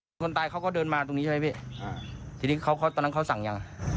บางบางรายการผ่านหน้ามาแล้วก็